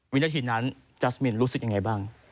วินาทีนั้นจัสมินรู้สึกยังไงบ้าง